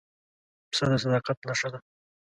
پسه د صداقت نښه ده.